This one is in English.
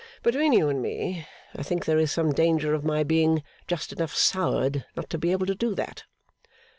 Between you and me, I think there is some danger of my being just enough soured not to be able to do that.